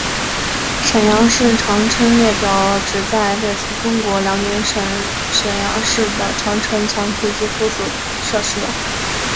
沈阳市长城列表旨在列出中国辽宁省沈阳市的长城墙体及附属设施。